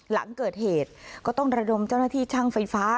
หลังเกิดเหตุก็ต้องระดมเจ้าหน้าที่ช่างไฟฟ้า